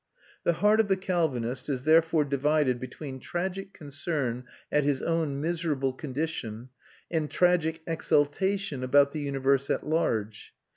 The heart of the Calvinist is therefore divided between tragic concern at his own miserable condition, and tragic exultation about the universe at large.